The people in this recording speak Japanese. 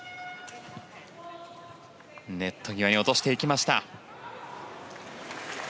ネット際に落としていきました。